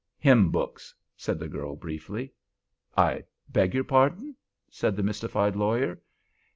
"Hymn books," said the girl, briefly. "I beg your pardon," said the mystified lawyer.